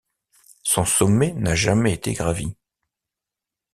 Son sommet n'a jamais été gravi.